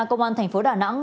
cơ quan thành phố đà nẵng